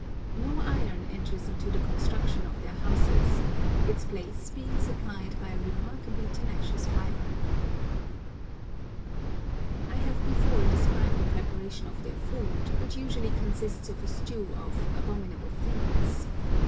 No iron enters into the construction of their houses, its place being supplied by a remarkably tenacious fibre. [Picture: Plan of an Aino House] I have before described the preparation of their food, which usually consists of a stew "of abominable things."